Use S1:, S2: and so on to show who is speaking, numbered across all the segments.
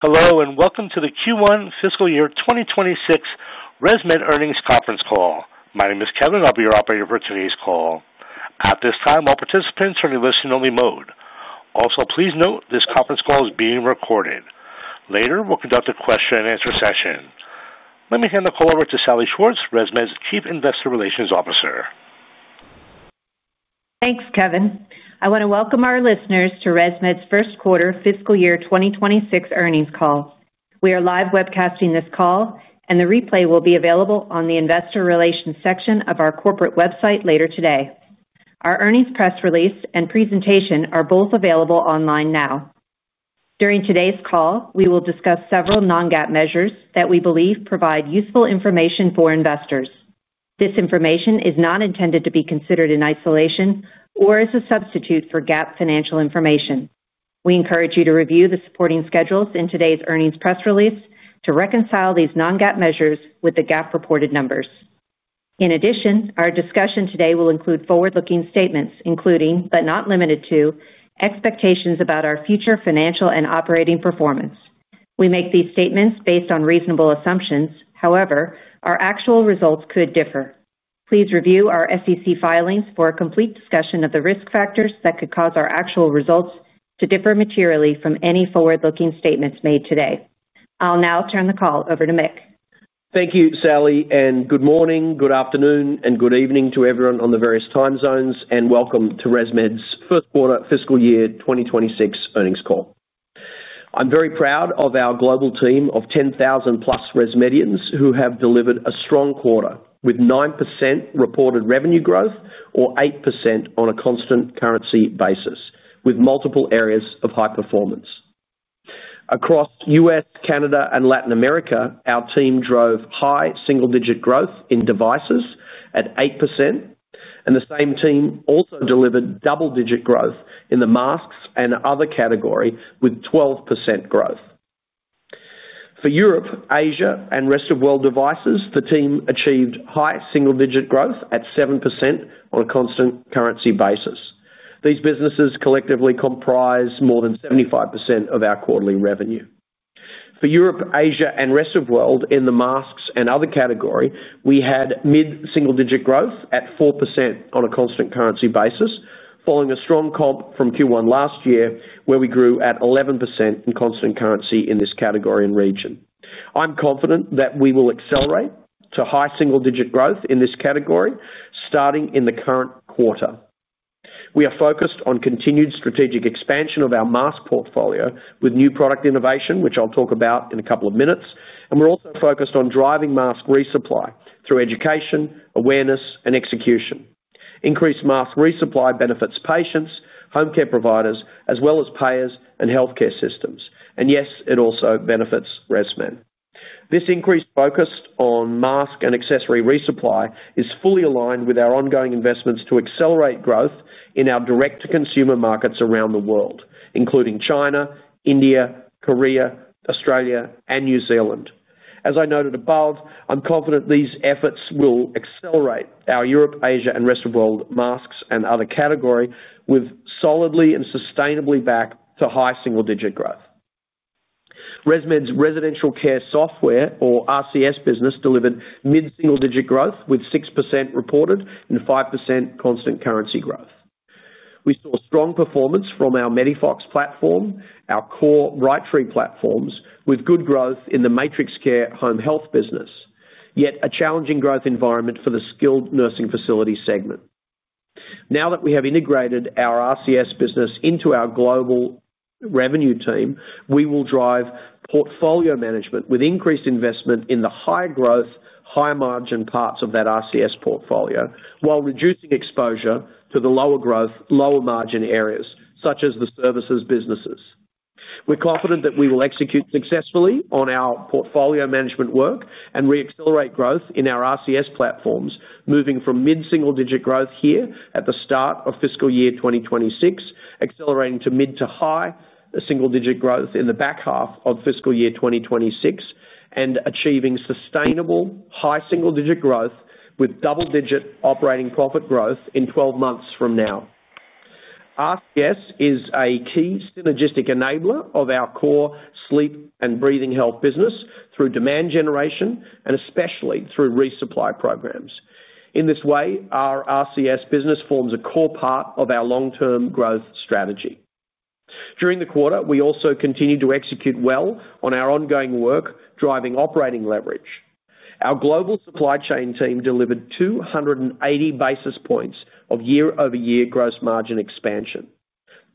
S1: Hello and welcome to the Q1 Fiscal Year 2026 ResMed earnings conference call. My name is Kevin. I'll be your operator for today's call. At this time, all participants are in listen-only mode. Also, please note this conference call is being recorded. Later, we'll conduct a question-and-answer session. Let me hand the call over to Salli Schwartz, ResMed's Chief Investor Relations Officer.
S2: Thanks, Kevin. I want to welcome our listeners to ResMed's first-quarter Fiscal Year 2026 earnings call. We are live webcasting this call, and the replay will be available on the Investor Relations section of our corporate website later today. Our earnings press release and presentation are both available online now. During today's call, we will discuss several non-GAAP measures that we believe provide useful information for investors. This information is not intended to be considered in isolation or as a substitute for GAAP financial information. We encourage you to review the supporting schedules in today's earnings press release to reconcile these non-GAAP measures with the GAAP-reported numbers. In addition, our discussion today will include forward-looking statements, including, but not limited to, expectations about our future financial and operating performance. We make these statements based on reasonable assumptions. However, our actual results could differ. Please review our SEC filings for a complete discussion of the risk factors that could cause our actual results to differ materially from any forward-looking statements made today. I'll now turn the call over to Mick.
S3: Thank you, Salli, and good morning, good afternoon, and good evening to everyone on the various time zones, and welcome to ResMed's first-quarter Fiscal Year 2026 earnings call. I'm very proud of our global team of 10,000+ ResMedians who have delivered a strong quarter with 9% reported revenue growth or 8% on a constant currency basis, with multiple areas of high performance. Across the U.S., Canada, and Latin America, our team drove high single-digit growth in devices at 8%, and the same team also delivered double-digit growth in the masks and other category with 12% growth. For Europe, Asia, and rest of world devices, the team achieved high single-digit growth at 7% on a constant currency basis. These businesses collectively comprise more than 75% of our quarterly revenue. For Europe, Asia, and rest of world in the masks and other category, we had mid-single-digit growth at 4% on a constant currency basis, following a strong comp from Q1 last year where we grew at 11% in constant currency in this category and region. I'm confident that we will accelerate to high single-digit growth in this category starting in the current quarter. We are focused on continued strategic expansion of our mask portfolio with new product innovation, which I'll talk about in a couple of minutes, and we're also focused on driving mask resupply through education, awareness, and execution. Increased mask resupply benefits patients, home care providers, as well as payers and healthcare systems, and yes, it also benefits ResMed. This increased focus on mask and accessory resupply is fully aligned with our ongoing investments to accelerate growth in our direct-to-consumer markets around the world, including China, India, Korea, Australia, and New Zealand. As I noted above, I'm confident these efforts will accelerate our Europe, Asia, and rest of world masks and other category solidly and sustainably back to high single-digit growth. ResMed's Residential Care Software, or RCS, business delivered mid-single-digit growth with 6% reported and 5% constant currency growth. We saw strong performance from our MEDIFOX platform, our core Brightree platforms, with good growth in the MatrixCare home health business, yet a challenging growth environment for the skilled nursing facility segment. Now that we have integrated our RCS business into our global revenue team, we will drive portfolio management with increased investment in the high-growth, high-margin parts of that RCS portfolio while reducing exposure to the lower-growth, lower-margin areas such as the services businesses. We're confident that we will execute successfully on our portfolio management work and re-accelerate growth in our RCS platforms, moving from mid-single-digit growth here at the start of Fiscal Year 2026, accelerating to mid to high single-digit growth in the back half of Fiscal Year 2026, and achieving sustainable high single-digit growth with double-digit operating profit growth in 12 months from now. RCS is a key synergistic enabler of our core sleep and breathing health business through demand generation and especially through resupply programs. In this way, our RCS business forms a core part of our long-term growth strategy. During the quarter, we also continue to execute well on our ongoing work driving operating leverage. Our global supply chain team delivered 280 basis points of year-over-year gross margin expansion.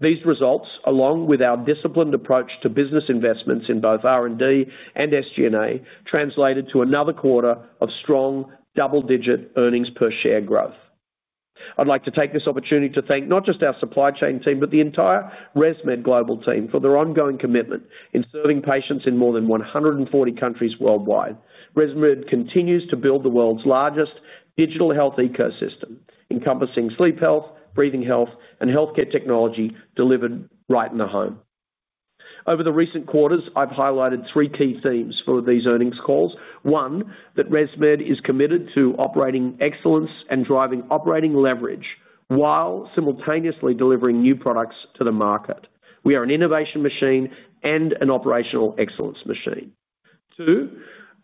S3: These results, along with our disciplined approach to business investments in both R&D and SG&A, translated to another quarter of strong double-digit earnings per share growth. I'd like to take this opportunity to thank not just our supply chain team, but the entire ResMed global team for their ongoing commitment in serving patients in more than 140 countries worldwide. ResMed continues to build the world's largest digital health ecosystem, encompassing sleep health, breathing health, and healthcare technology delivered right in the home. Over the recent quarters, I've highlighted three key themes for these earnings calls. One, that ResMed is committed to operating excellence and driving operating leverage while simultaneously delivering new products to the market. We are an innovation machine and an operational excellence machine. Two,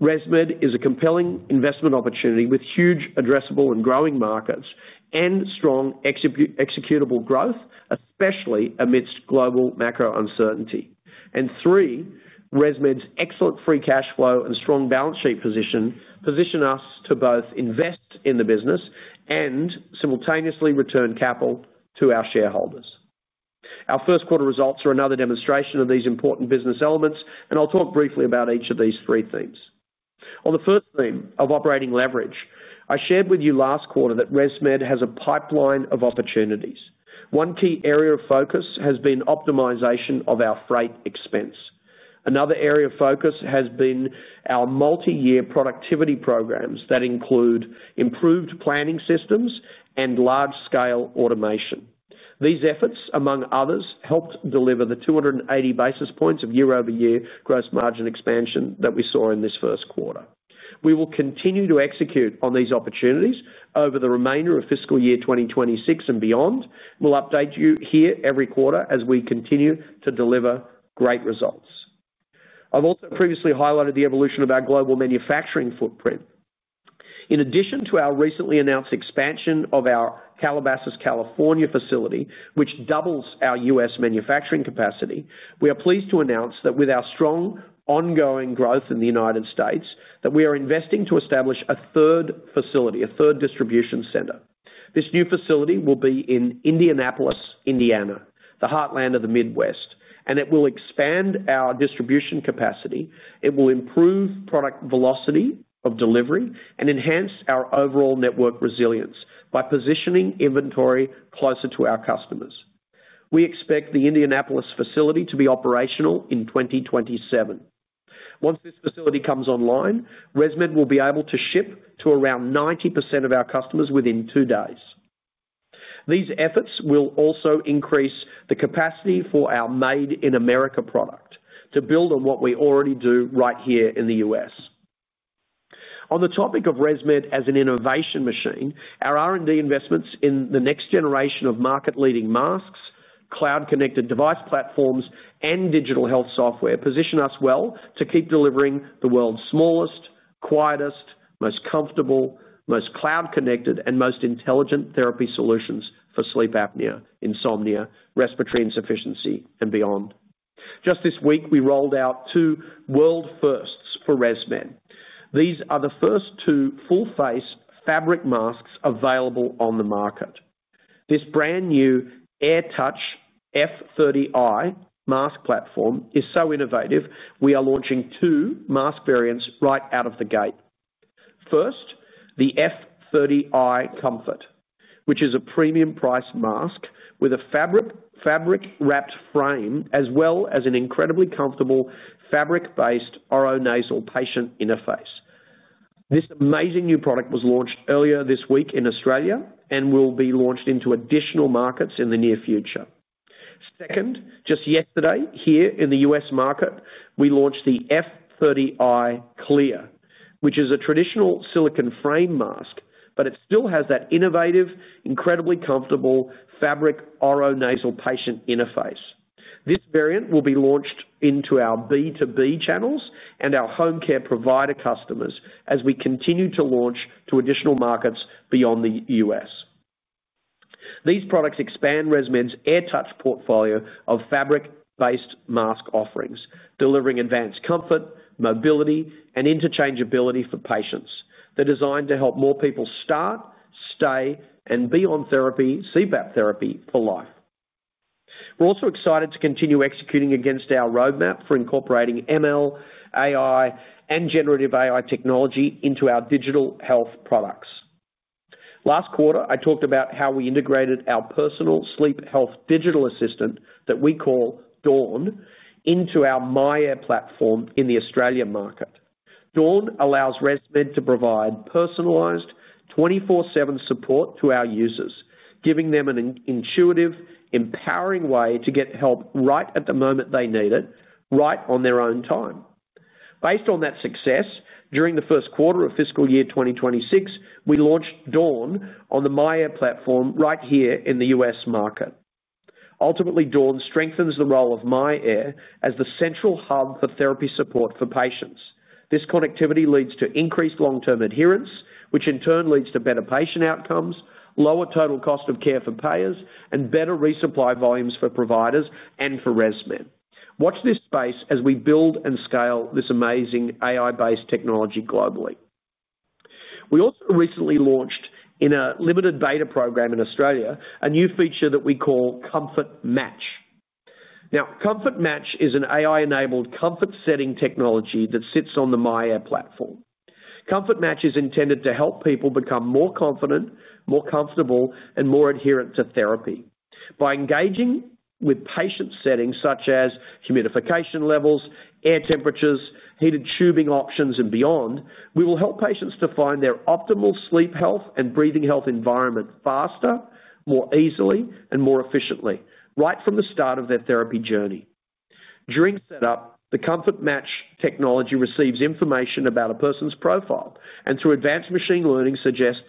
S3: ResMed is a compelling investment opportunity with huge addressable and growing markets and strong executable growth, especially amidst global macro uncertainty. Three, ResMed's excellent free cash flow and strong balance sheet position position us to both invest in the business and simultaneously return capital to our shareholders. Our first-quarter results are another demonstration of these important business elements, and I'll talk briefly about each of these three themes. On the first theme of operating leverage, I shared with you last quarter that ResMed has a pipeline of opportunities. One key area of focus has been optimization of our freight expense. Another area of focus has been our multi-year productivity programs that include improved planning systems and large-scale automation. These efforts, among others, helped deliver the 280 basis points of year-over-year gross margin expansion that we saw in this first quarter. We will continue to execute on these opportunities over the remainder of Fiscal Year 2026 and beyond. We'll update you here every quarter as we continue to deliver great results. I've also previously highlighted the evolution of our global manufacturing footprint. In addition to our recently announced expansion of our Calabasas, California facility, which doubles our U.S. manufacturing capacity, we are pleased to announce that with our strong ongoing growth in the United States, we are investing to establish a third facility, a third distribution center. This new facility will be in Indianapolis, Indiana, the heartland of the Midwest, and it will expand our distribution capacity. It will improve product velocity of delivery and enhance our overall network resilience by positioning inventory closer to our customers. We expect the Indianapolis facility to be operational in 2027. Once this facility comes online, ResMed will be able to ship to around 90% of our customers within two days. These efforts will also increase the capacity for our Made in America product to build on what we already do right here in the U.S. On the topic of ResMed as an innovation machine, our R&D investments in the next generation of market-leading masks, cloud-connected device platforms, and digital health software position us well to keep delivering the world's smallest, quietest, most comfortable, most cloud-connected, and most intelligent therapy solutions for sleep apnea, insomnia, respiratory insufficiency, and beyond. Just this week, we rolled out two world firsts for ResMed. These are the first two full-face fabric masks available on the market. This brand new AirTouch F30i mask platform is so innovative, we are launching two mask variants right out of the gate. First, the F30i Comfort, which is a premium-priced mask with a fabric-wrapped frame as well as an incredibly comfortable fabric-based oronasal patient interface. This amazing new product was launched earlier this week in Australia and will be launched into additional markets in the near future. Second, just yesterday, here in the U.S. market, we launched the F30i Clear, which is a traditional silicone frame mask, but it still has that innovative, incredibly comfortable fabric oronasal patient interface. This variant will be launched into our B2B channels and our home care provider customers as we continue to launch to additional markets beyond the U.S. These products expand ResMed's AirTouch portfolio of fabric-based mask offerings, delivering advanced comfort, mobility, and interchangeability for patients. They're designed to help more people start, stay, and be on therapy, CPAP therapy, for life. We're also excited to continue executing against our roadmap for incorporating ML, AI, and Generative AI technology into our digital health products. Last quarter, I talked about how we integrated our personal sleep health digital assistant that we call Dawn into our myAir platform in the Australian market. Dawn allows ResMed to provide personalized 24/7 support to our users, giving them an intuitive, empowering way to get help right at the moment they need it, right on their own time. Based on that success, during the first quarter of Fiscal Year 2026, we launched Dawn on the myAir platform right here in the U.S. market. Ultimately, Dawn strengthens the role of myAir as the central hub for therapy support for patients. This connectivity leads to increased long-term adherence, which in turn leads to better patient outcomes, lower total cost of care for payers, and better resupply volumes for providers and for ResMed. Watch this space as we build and scale this amazing AI-based technology globally. We also recently launched, in a limited beta program in Australia, a new feature that we call Comfort Match. Now, Comfort Match is an AI-enabled comfort-setting technology that sits on the myAir platform. Comfort Match is intended to help people become more confident, more comfortable, and more adherent to therapy. By engaging with patient settings such as humidification levels, air temperatures, heated tubing options, and beyond, we will help patients to find their optimal sleep health and breathing health environment faster, more easily, and more efficiently right from the start of their therapy journey. During setup, the Comfort Match technology receives information about a person's profile, and through advanced machine learning, suggests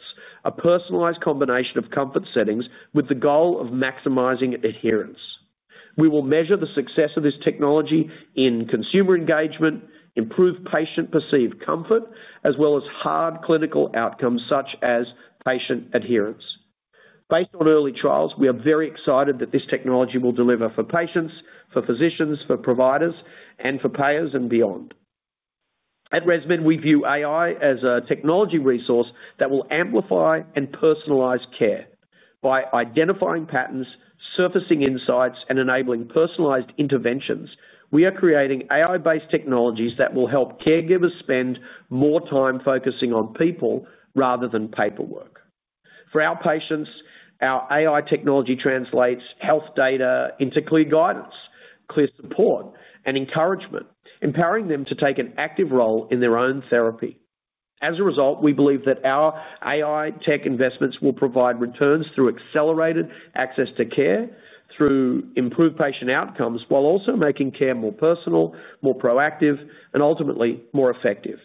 S3: a personalized combination of comfort settings with the goal of maximizing adherence. We will measure the success of this technology in consumer engagement, improved patient-perceived comfort, as well as hard clinical outcomes such as patient adherence. Based on early trials, we are very excited that this technology will deliver for patients, for physicians, for providers, and for payers and beyond. At ResMed, we view AI as a technology resource that will amplify and personalize care. By identifying patterns, surfacing insights, and enabling personalized interventions, we are creating AI-based technologies that will help caregivers spend more time focusing on people rather than paperwork. For our patients, our AI technology translates health data into clear guidance, clear support, and encouragement, empowering them to take an active role in their own therapy. As a result, we believe that our AI tech investments will provide returns through accelerated access to care, through improved patient outcomes, while also making care more personal, more proactive, and ultimately more effective.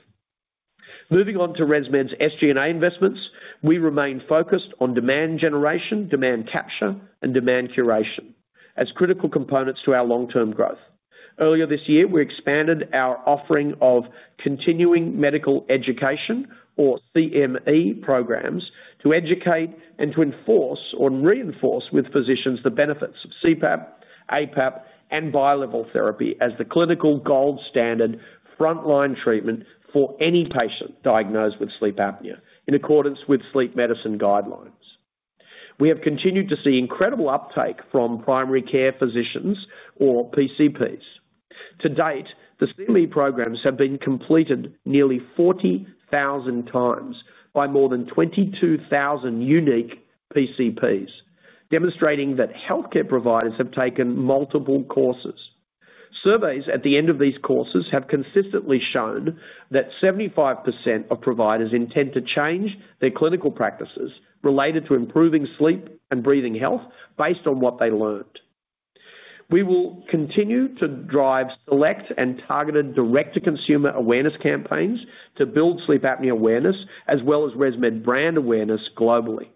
S3: Moving on to ResMed's SG&A investments, we remain focused on demand generation, demand capture, and demand curation as critical components to our long-term growth. Earlier this year, we expanded our offering of continuing medical education, or CME, programs to educate and to enforce or reinforce with physicians the benefits of CPAP, APAP, and bilevel therapy as the clinical gold standard frontline treatment for any patient diagnosed with sleep apnea in accordance with sleep medicine guidelines. We have continued to see incredible uptake from primary care physicians, or PCPs. To date, the CME programs have been completed nearly 40,000 times by more than 22,000 unique PCPs, demonstrating that healthcare providers have taken multiple courses. Surveys at the end of these courses have consistently shown that 75% of providers intend to change their clinical practices related to improving sleep and breathing health based on what they learned. We will continue to drive select and targeted direct-to-consumer awareness campaigns to build sleep apnea awareness as well as ResMed brand awareness globally.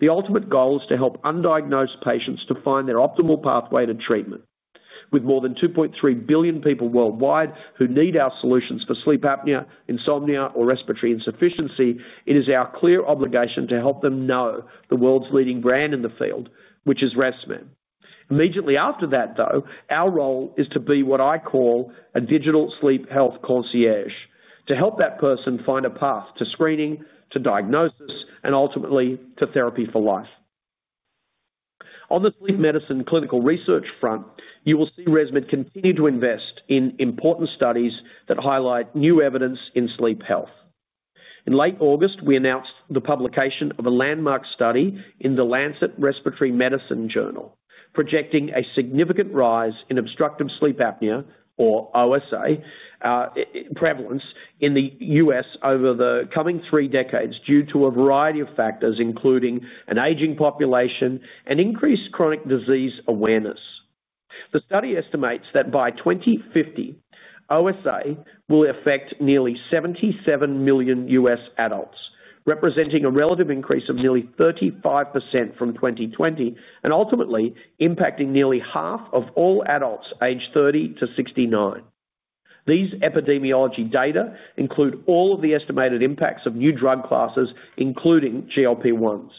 S3: The ultimate goal is to help undiagnosed patients to find their optimal pathway to treatment. With more than 2.3 billion people worldwide who need our solutions for sleep apnea, insomnia, or respiratory insufficiency, it is our clear obligation to help them know the world's leading brand in the field, which is ResMed. Immediately after that, though, our role is to be what I call a digital sleep health concierge, to help that person find a path to screening, to diagnosis, and ultimately to therapy for life. On the sleep medicine clinical research front, you will see ResMed continue to invest in important studies that highlight new evidence in sleep health. In late August, we announced the publication of a landmark study in The Lancet Respiratory Medicine Journal, projecting a significant rise in obstructive sleep apnea, or OSA. Prevalence in the U.S. over the coming three decades is due to a variety of factors, including an aging population and increased chronic disease awareness. The study estimates that by 2050, OSA will affect nearly 77 million U.S. adults, representing a relative increase of nearly 35% from 2020 and ultimately impacting nearly half of all adults aged 30 to 69. These epidemiology data include all of the estimated impacts of new drug classes, including GLP-1s.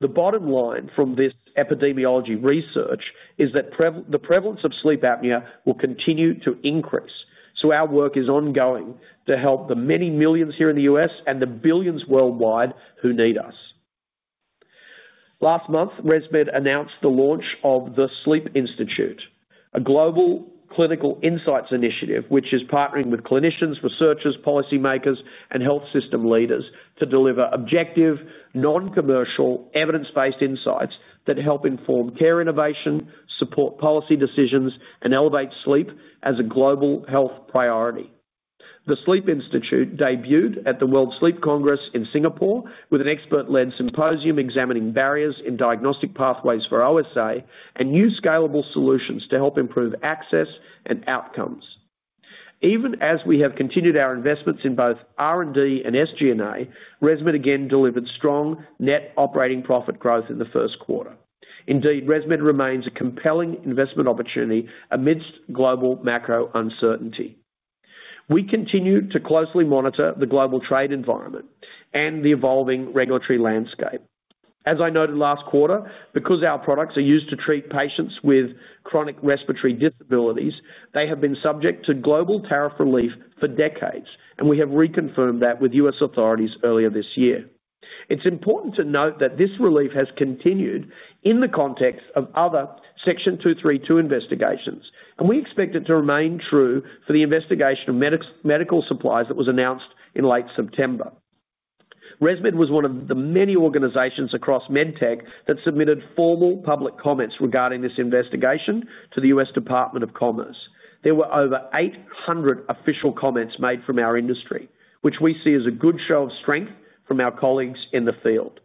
S3: The bottom line from this epidemiology research is that the prevalence of sleep apnea will continue to increase. Our work is ongoing to help the many millions here in the U.S. and the billions worldwide who need us. Last month, ResMed announced the launch of the Sleep Institute, a global clinical insights initiative which is partnering with clinicians, researchers, policymakers, and health system leaders to deliver objective, non-commercial, evidence-based insights that help inform care innovation, support policy decisions, and elevate sleep as a global health priority. The Sleep Institute debuted at the World Sleep Congress in Singapore with an expert-led symposium examining barriers in diagnostic pathways for OSA and new scalable solutions to help improve access and outcomes. Even as we have continued our investments in both R&D and SG&A, ResMed again delivered strong net operating profit growth in the first quarter. ResMed remains a compelling investment opportunity amidst global macro uncertainty. We continue to closely monitor the global trade environment and the evolving regulatory landscape. As I noted last quarter, because our products are used to treat patients with chronic respiratory disabilities, they have been subject to global tariff relief for decades, and we have reconfirmed that with U.S. authorities earlier this year. It's important to note that this relief has continued in the context of other Section 232 investigations, and we expect it to remain true for the investigation of medical supplies that was announced in late September. ResMed was one of the many organizations across MedTech that submitted formal public comments regarding this investigation to the U.S. Department of Commerce. There were over 800 official comments made from our industry, which we see as a good show of strength from our colleagues in the field.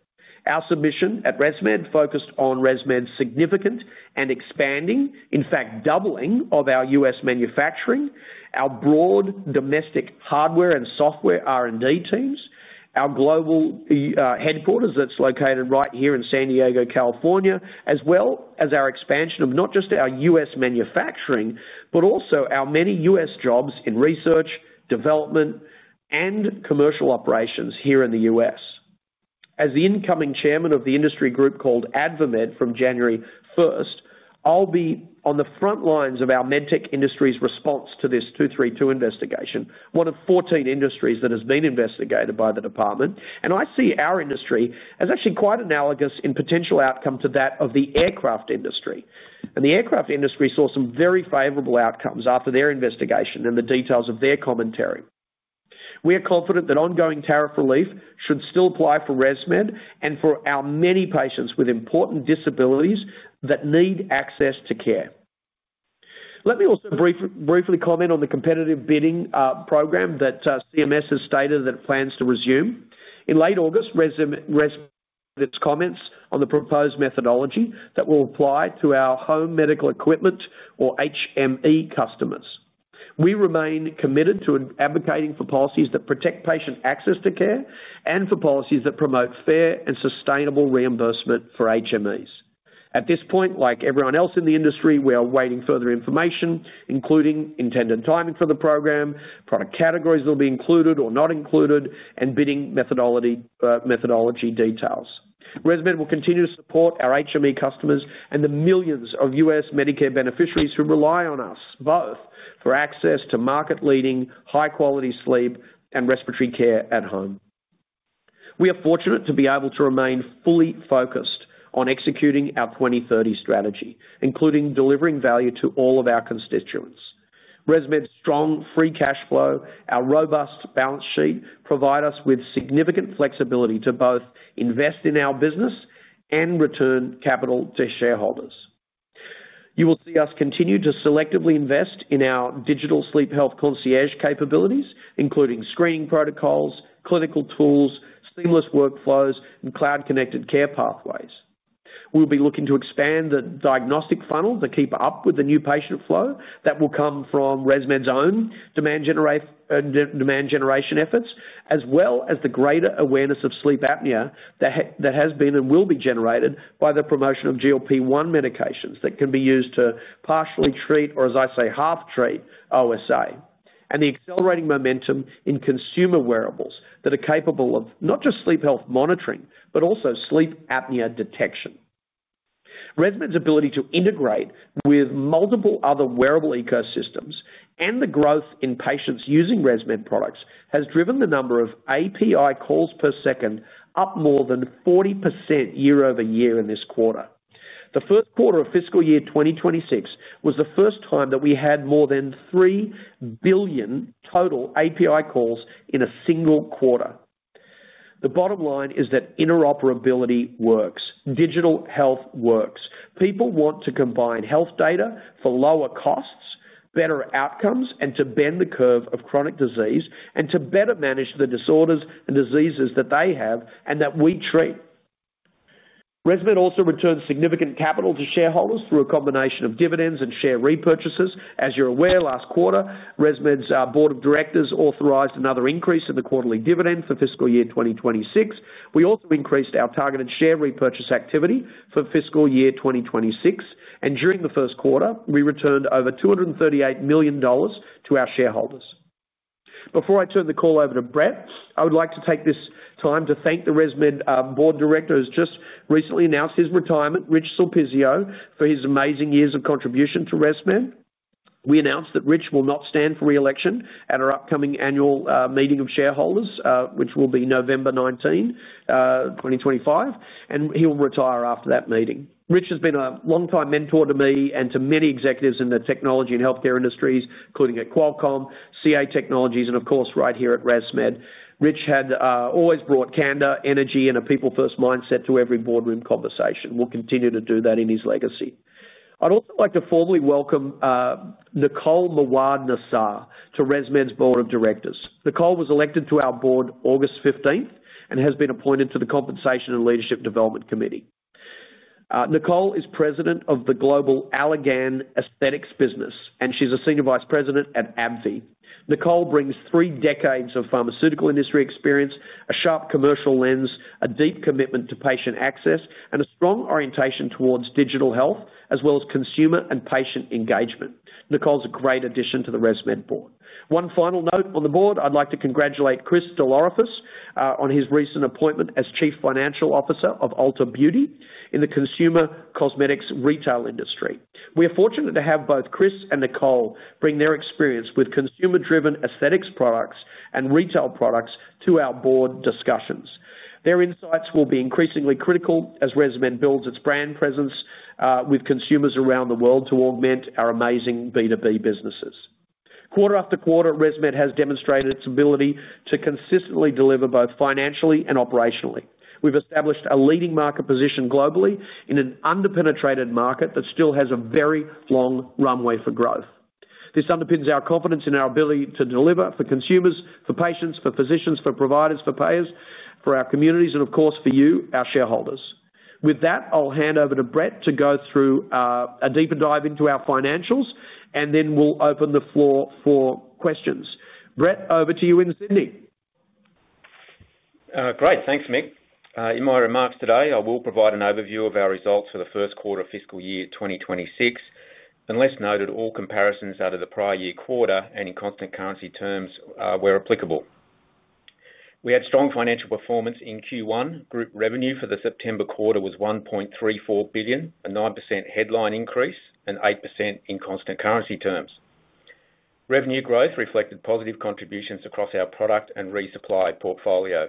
S3: Our submission at ResMed focused on ResMed's significant and expanding, in fact doubling, of our U.S. manufacturing, our broad domestic hardware and software R&D teams, our global headquarters that's located right here in San Diego, California, as well as our expansion of not just our U.S. manufacturing, but also our many U.S. jobs in research, development, and commercial operations here in the U.S. As the incoming Chairman of the industry group called AdvaMed from January 1, I'll be on the front lines of our MedTech industry's response to this 232 investigation, one of 14 industries that has been investigated by the department. I see our industry as actually quite analogous in potential outcome to that of the aircraft industry. The aircraft industry saw some very favorable outcomes after their investigation and the details of their commentary. We are confident that ongoing tariff relief should still apply for ResMed and for our many patients with important disabilities that need access to care. Let me also briefly comment on the competitive bidding program that CMS has stated that it plans to resume. In late August, ResMed made its comments on the proposed methodology that will apply to our home medical equipment, or HME, customers. We remain committed to advocating for policies that protect patient access to care and for policies that promote fair and sustainable reimbursement for HMEs. At this point, like everyone else in the industry, we are awaiting further information, including intended timing for the program, product categories that will be included or not included, and bidding methodology details. ResMed will continue to support our HME customers and the millions of U.S. Medicare beneficiaries who rely on us both for access to market-leading, high-quality sleep and respiratory care at home. We are fortunate to be able to remain fully focused on executing our 2030 strategy, including delivering value to all of our constituents. ResMed's strong free cash flow and our robust balance sheet provide us with significant flexibility to both invest in our business and return capital to shareholders. You will see us continue to selectively invest in our digital sleep health concierge capabilities, including screening protocols, clinical tools, seamless workflows, and cloud-connected care pathways. We'll be looking to expand the diagnostic funnel to keep up with the new patient flow that will come from ResMed's own demand generation efforts, as well as the greater awareness of sleep apnea that has been and will be generated by the promotion of GLP-1 medications that can be used to partially treat, or as I say, half-treat OSA, and the accelerating momentum in consumer wearables that are capable of not just sleep health monitoring, but also sleep apnea detection. ResMed's ability to integrate with multiple other wearable ecosystems and the growth in patients using ResMed products has driven the number of API calls per second up more than 40% year over year in this quarter. The first quarter of fiscal year 2026 was the first time that we had more than 3 billion total API calls in a single quarter. The bottom line is that interoperability works. Digital health works. People want to combine health data for lower costs, better outcomes, and to bend the curve of chronic disease and to better manage the disorders and diseases that they have and that we treat. ResMed also returned significant capital to shareholders through a combination of dividends and share repurchases. As you're aware, last quarter, ResMed's board of directors authorized another increase in the quarterly dividend for fiscal year 2026. We also increased our targeted share repurchase activity for fiscal year 2026. During the first quarter, we returned over $238 million to our shareholders. Before I turn the call over to Brett, I would like to take this time to thank the ResMed board director who has just recently announced his retirement, Rich Sulpizio, for his amazing years of contribution to ResMed. We announced that Rich will not stand for reelection at our upcoming annual meeting of shareholders, which will be November 19, 2025, and he will retire after that meeting. Rich has been a long-time mentor to me and to many executives in the technology and healthcare industries, including at Qualcomm, CA Technologies, and of course, right here at ResMed. Rich had always brought candor, energy, and a people-first mindset to every boardroom conversation. We'll continue to do that in his legacy. I'd also like to formally welcome Nicole Mowad-Nassar to ResMed's board of directors. Nicole was elected to our board August 15 and has been appointed to the Compensation and Leadership Development Committee. Nicole is President of the global Allergan Aesthetics business, and she's a Senior Vice President at AbbVie. Nicole brings three decades of pharmaceutical industry experience, a sharp commercial lens, a deep commitment to patient access, and a strong orientation towards digital health, as well as consumer and patient engagement. Nicole's a great addition to the ResMed board. One final note on the board, I'd like to congratulate Chris DelOrefice on his recent appointment as Chief Financial Officer of Ulta Beauty in the consumer cosmetics retail industry. We are fortunate to have both Chris and Nicole bring their experience with consumer-driven aesthetics products and retail products to our board discussions. Their insights will be increasingly critical as ResMed builds its brand presence with consumers around the world to augment our amazing B2B businesses. Quarter after quarter, ResMed has demonstrated its ability to consistently deliver both financially and operationally. We've established a leading market position globally in an under-penetrated market that still has a very long runway for growth. This underpins our confidence in our ability to deliver for consumers, for patients, for physicians, for providers, for payers, for our communities, and of course, for you, our shareholders. With that, I'll hand over to Brett to go through a deeper dive into our financials, and then we'll open the floor for questions. Brett, over to you in Sydney.
S4: Great. Thanks, Mick. In my remarks today, I will provide an overview of our results for the first quarter of fiscal year 2026, and unless noted all comparisons are to the prior year quarter and in constant currency terms where applicable. We had strong financial performance in Q1. Group revenue for the September quarter was $1.34 billion, a 9% headline increase and 8% in constant currency terms. Revenue growth reflected positive contributions across our product and resupply portfolio.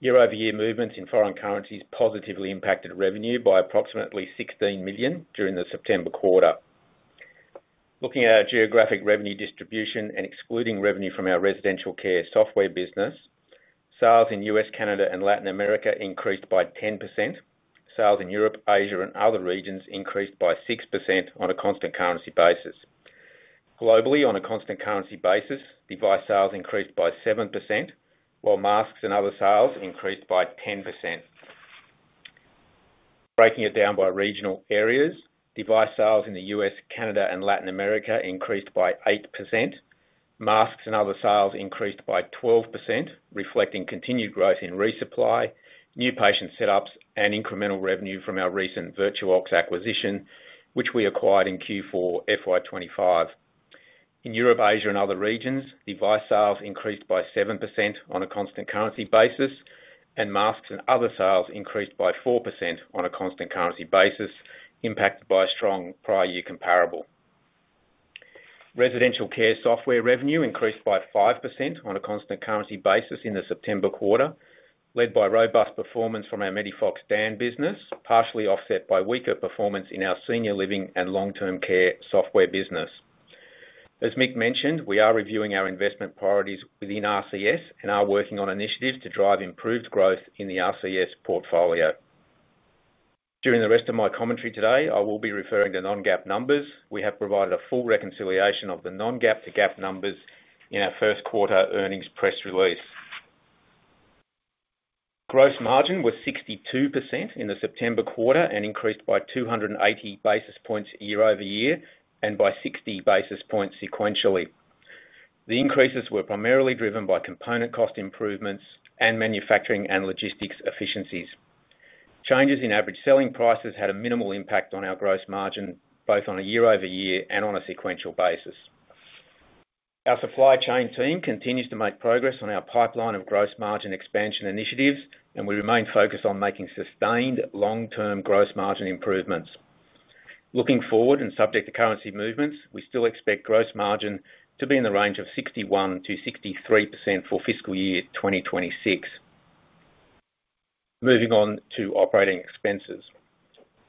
S4: Year-over-year movements in foreign currencies positively impacted revenue by approximately $16 million during the September quarter. Looking at our geographic revenue distribution and excluding revenue from our Residential Care Software business, sales in the U.S., Canada, and Latin America increased by 10%. Sales in Europe, Asia, and other regions increased by 6% on a constant currency basis. Globally, on a constant currency basis, device sales increased by 7%, while masks and other sales increased by 10%. Breaking it down by regional areas, device sales in the U.S., Canada, and Latin America increased by 8%. Masks and other sales increased by 12%, reflecting continued growth in resupply, new patient setups, and incremental revenue from our recent VirtuOx acquisition, which we acquired in Q4 FY25. In Europe, Asia, and other regions, device sales increased by 7% on a constant currency basis, and masks and other sales increased by 4% on a constant currency basis, impacted by a strong prior year comparable. Residential Care Software revenue increased by 5% on a constant currency basis in the September quarter, led by robust performance from our MEDIFOX DAN business, partially offset by weaker performance in our senior living and long-term care software business. As Mick mentioned, we are reviewing our investment priorities within RCS and are working on initiatives to drive improved growth in the RCS portfolio. During the rest of my commentary today, I will be referring to non-GAAP numbers. We have provided a full reconciliation of the non-GAAP to GAAP numbers in our first quarter earnings press release. Gross margin was 62% in the September quarter and increased by 280 basis points year over year and by 60 basis points sequentially. The increases were primarily driven by component cost improvements and manufacturing and logistics efficiencies. Changes in average selling prices had a minimal impact on our gross margin, both on a year-over-year and on a sequential basis. Our supply chain team continues to make progress on our pipeline of gross margin expansion initiatives, and we remain focused on making sustained long-term gross margin improvements. Looking forward and subject to currency movements, we still expect gross margin to be in the range of 61%-63% for fiscal year 2026. Moving on to operating expenses.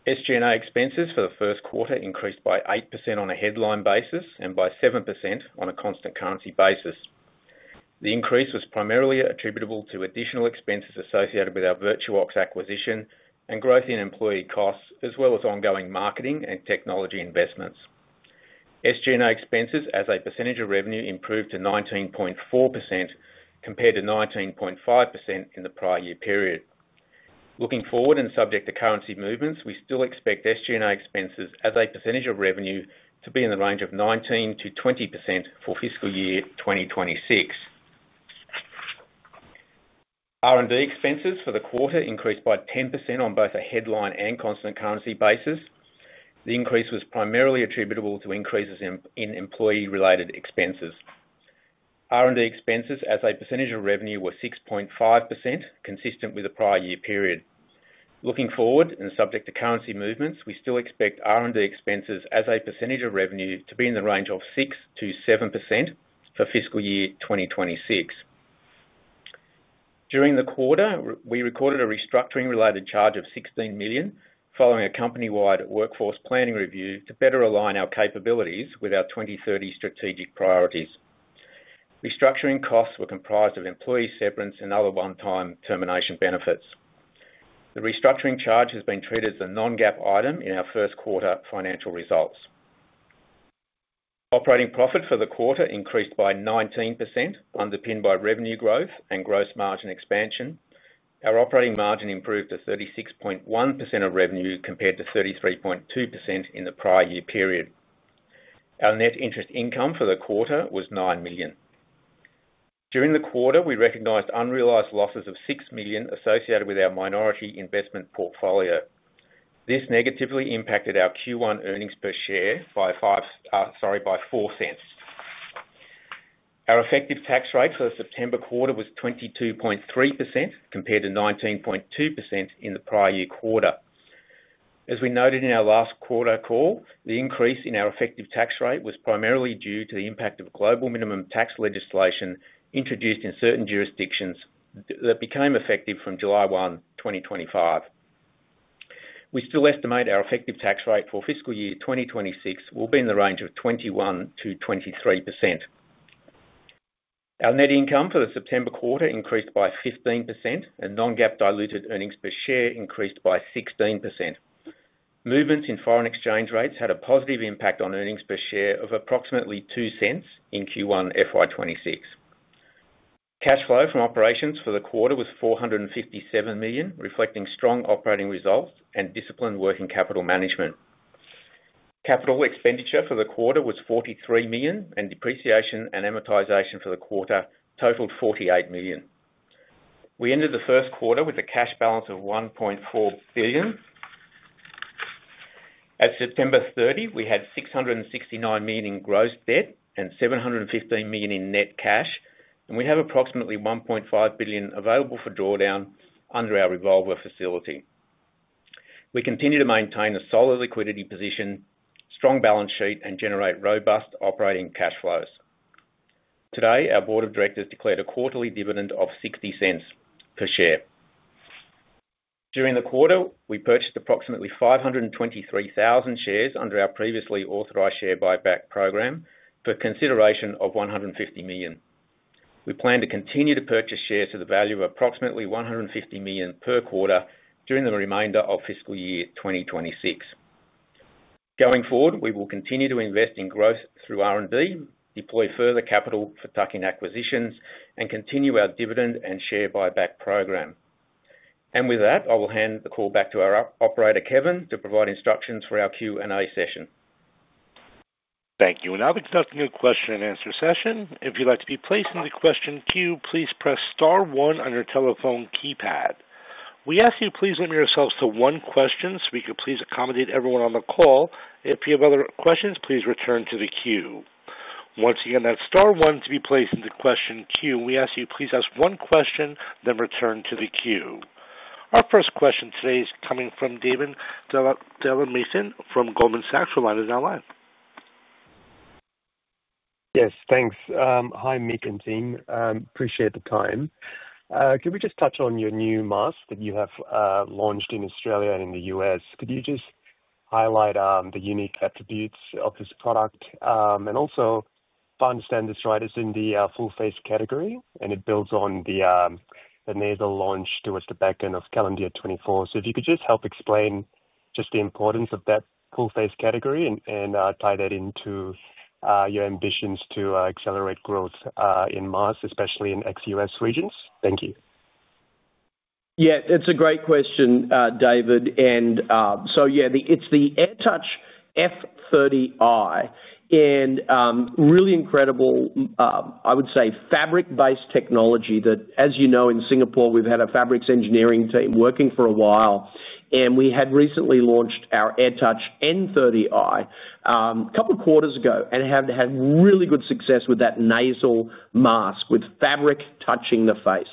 S4: SG&A expenses for the first quarter increased by 8% on a headline basis and by 7% on a constant currency basis. The increase was primarily attributable to additional expenses associated with our VirtuOx acquisition and growth in employee costs, as well as ongoing marketing and technology investments. SG&A expenses, as a percentage of revenue, improved to 19.4% compared to 19.5% in the prior year period. Looking forward and subject to currency movements, we still expect SG&A expenses, as a percentage of revenue, to be in the range of 19%-20% for fiscal year 2026. R&D expenses for the quarter increased by 10% on both a headline and constant currency basis. The increase was primarily attributable to increases in employee-related expenses. R&D expenses, as a percentage of revenue, were 6.5%, consistent with the prior year period. Looking forward and subject to currency movements, we still expect R&D expenses, as a percentage of revenue, to be in the range of 6%-7% for fiscal year 2026. During the quarter, we recorded a restructuring-related charge of $16 million, following a company-wide workforce planning review to better align our capabilities with our 2030 strategic priorities. Restructuring costs were comprised of employee severance and other one-time termination benefits. The restructuring charge has been treated as a non-GAAP item in our first quarter financial results. Operating profit for the quarter increased by 19%, underpinned by revenue growth and gross margin expansion. Our operating margin improved to 36.1% of revenue compared to 33.2% in the prior year period. Our net interest income for the quarter was $9 million. During the quarter, we recognized unrealized losses of $6 million associated with our minority investment portfolio. This negatively impacted our Q1 earnings per share by $0.04. Our effective tax rate for the September quarter was 22.3% compared to 19.2% in the prior year quarter. As we noted in our last quarter call, the increase in our effective tax rate was primarily due to the impact of global minimum tax legislation introduced in certain jurisdictions that became effective from July 1, 2025. We still estimate our effective tax rate for fiscal year 2026 will be in the range of 21%-23%. Our net income for the September quarter increased by 15%, and non-GAAP diluted earnings per share increased by 16%. Movements in foreign exchange rates had a positive impact on earnings per share of approximately $0.02 in Q1 FY26. Cash flow from operations for the quarter was $457 million, reflecting strong operating results and disciplined working capital management. Capital expenditure for the quarter was $43 million, and depreciation and amortization for the quarter totaled $48 million. We ended the first quarter with a cash balance of $1.4 billion. At September 30, we had $669 million in gross debt and $715 million in net cash, and we have approximately $1.5 billion available for drawdown under our revolver facility. We continue to maintain a solid liquidity position, strong balance sheet, and generate robust operating cash flows. Today, our board of directors declared a quarterly dividend of $0.60 per share. During the quarter, we purchased approximately 523,000 shares under our previously authorized share buyback program for consideration of $150 million. We plan to continue to purchase shares to the value of approximately $150 million per quarter during the remainder of fiscal year 2026. Going forward, we will continue to invest in growth through R&D, deploy further capital for tuck-in acquisitions, and continue our dividend and share buyback program. I will hand the call back to our operator, Kevin, to provide instructions for our Q&A session.
S1: Thank you. Now we've got a question-and-answer session. If you'd like to be placed in the question queue, please press star one on your telephone keypad. We ask you, please limit yourselves to one question so we can accommodate everyone on the call. If you have other questions, please return to the queue. Once again, that's star one to be placed in the question queue. We ask you, please ask one question, then return to the queue. Our first question today is coming from David Delahunt from Goldman Sachs your line is now live.
S5: Yes, thanks. Hi, Mick and team. Appreciate the time. Could we just touch on your new mask that you have launched in Australia and in the U.S.? Could you just highlight the unique attributes of this product? Also, if I understand this right, it's in the full-face category, and it builds on the nasal launch towards the back end of calendar year 2024. If you could just help explain the importance of that full-face category and tie that into. Your ambitions to accelerate growth in masks, especially in ex-U.S. regions. Thank you.
S3: Yeah, it's a great question, David. It's the AirTouch F30i, and really incredible, I would say, fabric-based technology that, as you know, in Singapore, we've had a fabrics engineering team working for a while. We had recently launched our AirTouch N30i a couple of quarters ago and had really good success with that nasal mask with fabric touching the face.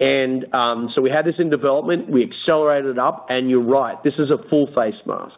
S3: We had this in development. We accelerated it up. You're right, this is a full-face mask.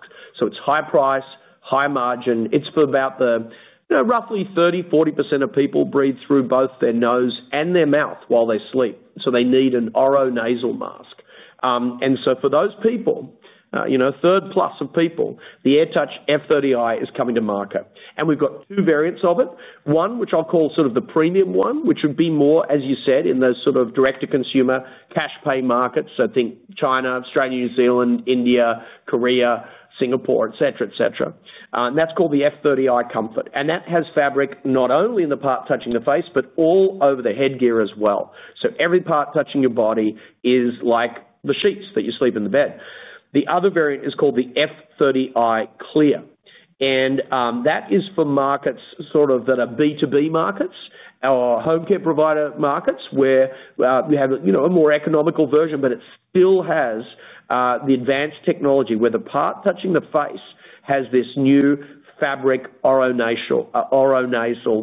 S3: It's high price, high margin. It's for about the roughly 30%, 40% of people who breathe through both their nose and their mouth while they sleep. They need an oronasal mask. For those people, third plus of people, the AirTouch F30i is coming to market. We've got two variants of it. One, which I'll call sort of the premium one, which would be more, as you said, in those sort of direct-to-consumer cash pay markets. I think China, Australia, New Zealand, India, Korea, Singapore, etc., etc. That's called the F30i Comfort. That has fabric not only in the part touching the face, but all over the headgear as well. Every part touching your body is like the sheets that you sleep in the bed. The other variant is called the F30i Clear. That is for markets that are B2B markets, our home care provider markets, where we have a more economical version, but it still has the advanced technology where the part touching the face has this new fabric oronasal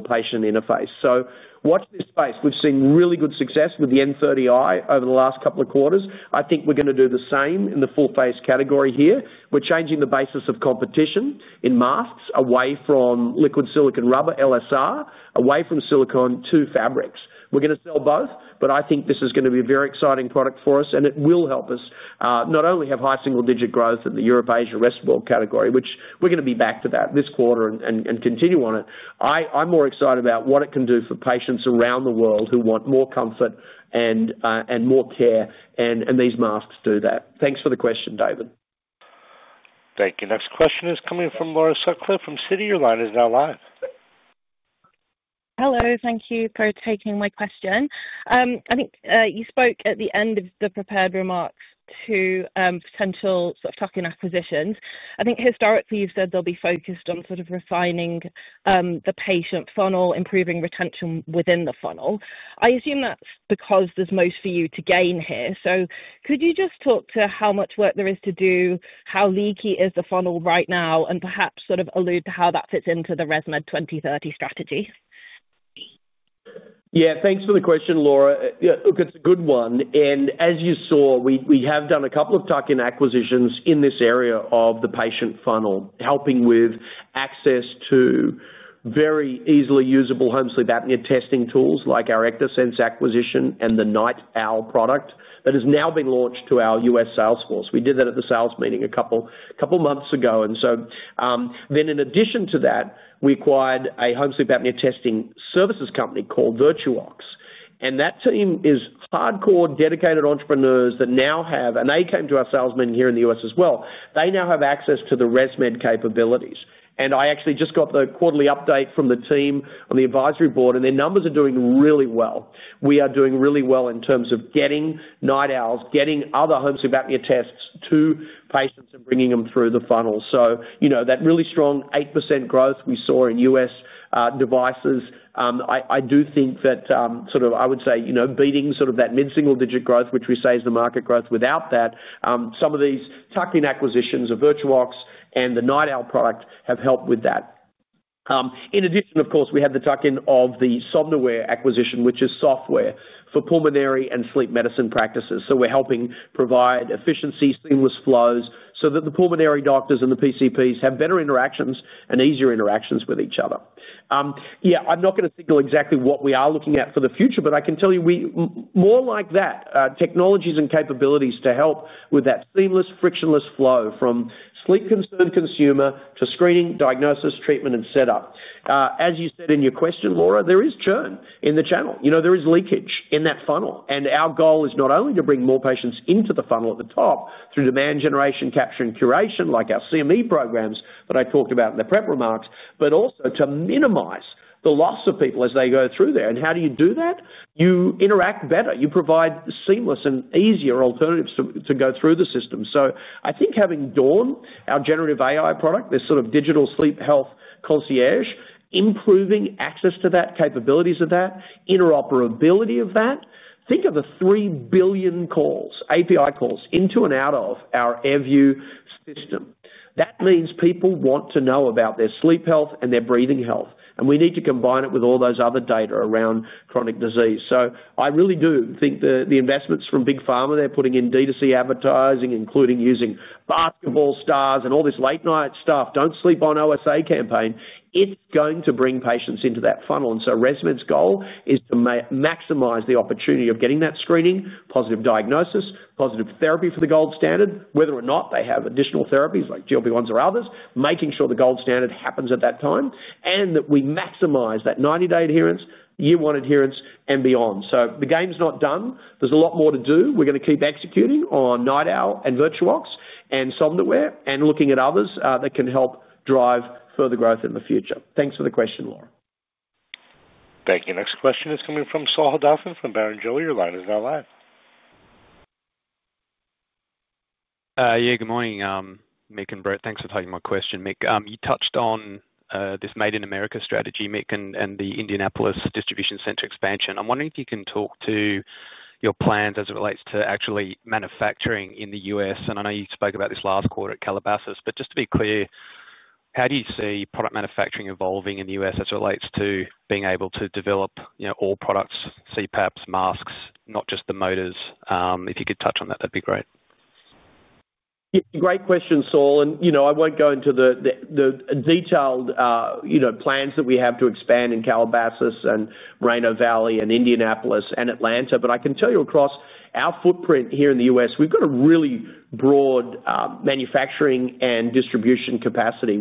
S3: patient interface. Watch this space. We've seen really good success with the N30i over the last couple of quarters. I think we're going to do the same in the full-face category here. We're changing the basis of competition in masks away from liquid silicon rubber, LSR, away from silicon to fabrics. We're going to sell both, but I think this is going to be a very exciting product for us, and it will help us not only have high single-digit growth in the Europe-Asia rest board category, which we're going to be back to that this quarter and continue on it. I'm more excited about what it can do for patients around the world who want more comfort and more care, and these masks do that. Thanks for the question, David.
S1: Thank you. Next question is coming from Laura Sutcliffe from Citi your line is now live.
S6: Hello. Thank you for taking my question. I think you spoke at the end of the prepared remarks to potential sort of tuck-in acquisitions. I think historically, you've said they'll be focused on sort of refining the patient funnel, improving retention within the funnel. I assume that's because there's most for you to gain here. Could you just talk to how much work there is to do, how leaky is the funnel right now, and perhaps sort of allude to how that fits into the ResMed 2030 strategy?
S3: Yeah, thanks for the question, Laura. Look, it's a good one. As you saw, we have done a couple of tuck-in acquisitions in this area of the patient funnel, helping with access to very easily usable home sleep apnea testing tools like our Ectosense acquisition and the NightOwl product that has now been launched to our U.S. sales force. We did that at the sales meeting a couple of months ago. In addition to that, we acquired a home sleep apnea testing services company called VirtuOx. That team is hardcore, dedicated entrepreneurs that now have—they came to our salesmen here in the U.S. as well—they now have access to the ResMed capabilities. I actually just got the quarterly update from the team on the advisory board, and their numbers are doing really well. We are doing really well in terms of getting NightOwls, getting other home sleep apnea tests to patients, and bringing them through the funnel. That really strong 8% growth we saw in U.S. devices, I do think that sort of, I would say, beating sort of that mid-single-digit growth, which we say is the market growth without that, some of these tuck-in acquisitions of VirtuOx and the NightOwl product have helped with that. In addition, we had the tuck-in of the Somnoware acquisition, which is software for pulmonary and sleep medicine practices. We're helping provide efficiency, seamless flows so that the pulmonary doctors and the PCPs have better interactions and easier interactions with each other. I'm not going to single exactly what we are looking at for the future, but I can tell you more like that, technologies and capabilities to help with that seamless, frictionless flow from sleep-concerned consumer to screening, diagnosis, treatment, and setup. As you said in your question, Laura, there is churn in the channel. There is leakage in that funnel. Our goal is not only to bring more patients into the funnel at the top through demand generation, capture, and curation like our CME programs that I talked about in the prep remarks, but also to minimize the loss of people as they go through there. How do you do that? You interact better. You provide seamless and easier alternatives to go through the system. I think having Dawn, our generative AI product, this sort of digital sleep health concierge, improving access to that, capabilities of that, interoperability of that. Think of the 3 billion API calls into and out of our AirView system. That means people want to know about their sleep health and their breathing health. We need to combine it with all those other data around chronic disease. I really do think the investments from Big Pharma, they're putting in D2C advertising, including using basketball stars and all this late-night stuff, don't sleep on OSA campaign, it's going to bring patients into that funnel. ResMed's goal is to maximize the opportunity of getting that screening, positive diagnosis, positive therapy for the gold standard, whether or not they have additional therapies like GLP-1s or others, making sure the gold standard happens at that time, and that we maximize that 90-day adherence, year-one adherence, and beyond. The game's not done. There's a lot more to do. We're going to keep executing on NightOwl and VirtuOx and Somnoware and looking at others that can help drive further growth in the future. Thanks for the question, Laura.
S1: Thank you. Next question is coming from Saul Hadassin from Barrenjoey. Your line is now live.
S7: Yeah, good morning, Mick and Brett. Thanks for taking my question, Mick. You touched on this Made in America strategy, Mick, and the Indianapolis distribution center expansion. I'm wondering if you can talk to your plans as it relates to actually manufacturing in the U.S. I know you spoke about this last quarter at Calabasas, but just to be clear, how do you see product manufacturing evolving in the U.S. as it relates to being able to develop all products, CPAPs, masks, not just the motors? If you could touch on that, that'd be great.
S3: Great question, Saul. I won't go into the detailed plans that we have to expand in Calabasas and Moreno Valley and Indianapolis and Atlanta, but I can tell you across our footprint here in the U.S., we've got a really broad manufacturing and distribution capacity,